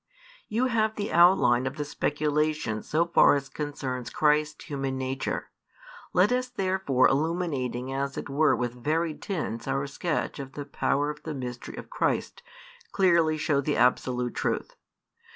You have the outline of the speculation so far as concerns Christ's human nature. Let us therefore, illuminating as it were with varied tints our sketch of the power of the mystery of Christ, clearly show the absolute truth.